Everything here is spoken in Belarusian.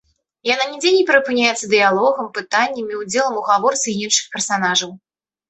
Яна нідзе не перапыняецца дыялогам, пытаннямі, удзелам у гаворцы іншых персанажаў.